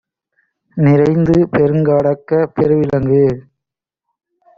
நிறைந்துபெருங் காடாக்கப், பெருவி லங்கு